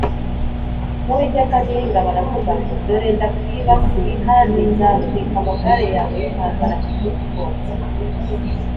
Uwiteka Nyiringabo aravuga ngo “Dore ndakwibasiye kandi nzatwika amagare yawe y’intambara ahinduke umwotsi